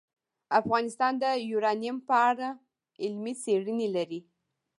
افغانستان د یورانیم په اړه علمي څېړنې لري.